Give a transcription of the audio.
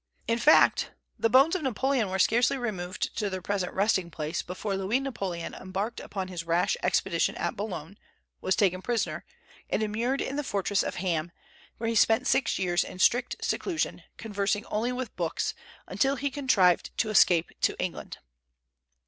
In fact, the bones of Napoleon were scarcely removed to their present resting place before Louis Napoleon embarked upon his rash expedition at Boulogne, was taken prisoner, and immured in the fortress of Ham, where he spent six years in strict seclusion, conversing only with books, until he contrived to escape to England.